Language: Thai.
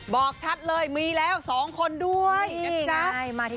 บอกชัดเลยมีแล้ว๒คนด้วย